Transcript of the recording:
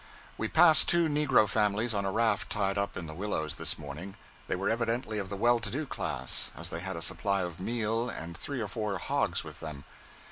We passed two negro families on a raft tied up in the willows this morning. They were evidently of the well to do class, as they had a supply of meal and three or four hogs with them.